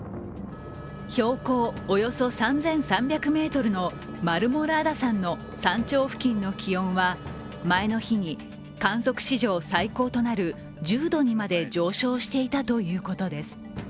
標高およそ３３００ｍのマルモラーダ山の山頂付近の気温は前の日に観測史上最高となる１０度にまで上昇していたということです。